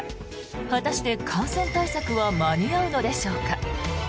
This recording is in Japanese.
果たして感染対策は間に合うのでしょうか。